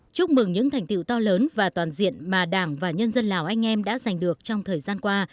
chúc mừng những thành tiệu to lớn và toàn diện mà đảng và nhân dân lào anh em đã giành được trong thời gian qua